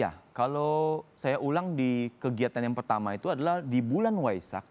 ya kalau saya ulang di kegiatan yang pertama itu adalah di bulan waisak